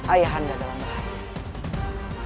ayah hande dalam bahaya